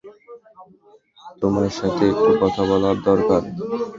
তোমার সাথে একটু কথা বলার দরকার।